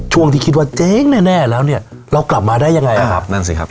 ช่วงที่คิดว่าเจ๊งแน่แน่แล้วเนี่ยเรากลับมาได้ยังไงนะครับนั่นสิครับ